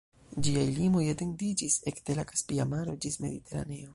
Ĝiaj limoj etendiĝis ekde la Kaspia Maro ĝis Mediteraneo.